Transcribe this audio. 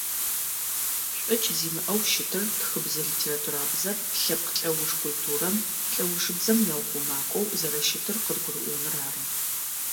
ШӀокӏ зимыӏэу щытыр тхыбзэ-литературабзэр лъэпкъ лӏэуж культурэм, лӏэужыбзэм яухъумакӏоу зэрэщытыр къыдгурыӏоныр ары.